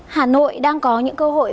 hà nội đang có những cơ hội